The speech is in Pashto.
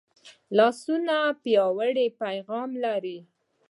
لاسونه پیاوړی پیغام لري